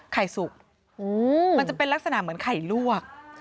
สุกมันจะเป็นลักษณะเหมือนไข่ลวก